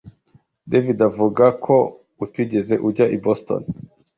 David avuga ko utigeze ujya i Boston